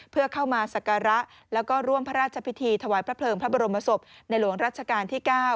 เพื่อเข้ามาสักการะแล้วก็ร่วมพระราชพิธีถวายพระเพลิงพระบรมศพในหลวงรัชกาลที่๙